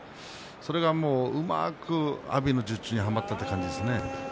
それが、うまく阿炎の術中にはまったような感じですね。